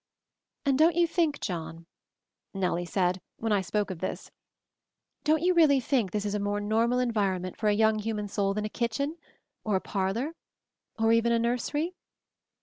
"And don't you think, John," Nellie said, when I spoke of this, "don't you really think this is a more normal environment for a young human soul than a kitchen? Or a parlor? Or even a nursery?"